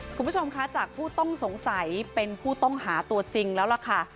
คุณผู้ชมคะจากผู้ต้องสงสัยเป็นผู้ต้องหาตัวจริงแล้วล่ะค่ะ